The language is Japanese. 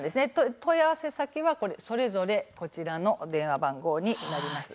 問い合わせ先はそれぞれこちらの番号になります。